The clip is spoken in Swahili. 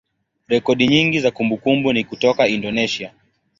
rekodi nyingi za kumbukumbu ni kutoka Indonesia.